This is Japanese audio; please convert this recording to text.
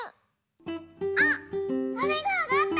あっあめがあがった！